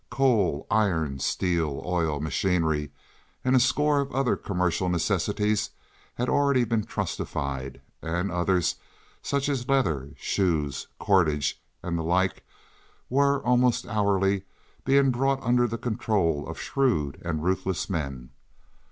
Coal, iron, steel, oil, machinery, and a score of other commercial necessities had already been "trustified," and others, such as leather, shoes, cordage, and the like, were, almost hourly, being brought under the control of shrewd and ruthless men.